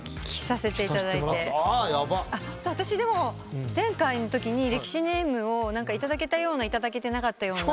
私でも前回のときにレキシネームを頂けたような頂けてなかったような。